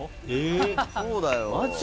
そうだよ。